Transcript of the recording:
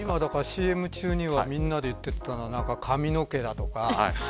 ＣＭ中にみんなで言っていたのは髪の毛だとか。